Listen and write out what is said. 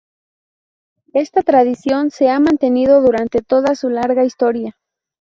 Esta tradición se ha mantenido durante toda su larga historia.